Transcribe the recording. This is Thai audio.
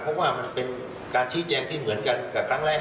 เพราะว่ามันเป็นการชี้แจงที่เหมือนกันกับครั้งแรก